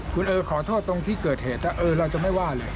คุณเออขอโทษตรงที่เกิดเหตุถ้าเราจะไม่ว่าเลย